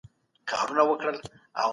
ځینې خلک پوټکی نه شي لوڅولی.